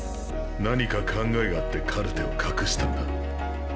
何か考えがあってカルテを隠したんだ。